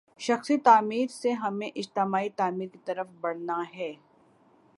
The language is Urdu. شخصی تعمیر سے ہمیں اجتماعی تعمیر کی طرف بڑھنا ہے۔